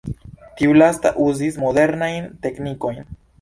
Tiu lasta uzis modernajn teknikojn.